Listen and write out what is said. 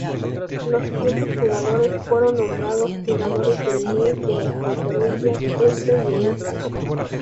Los siguientes jugadores fueron nombrados Jugadores del Mes de las Conferencias Este y Oeste.